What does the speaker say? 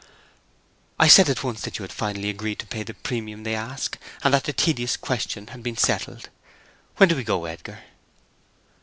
"I said at once that you had finally agreed to pay the premium they ask, and that the tedious question had been settled. When do we go, Edgar?"